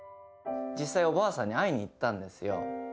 実際おばあさんに会いに行ったんですよ。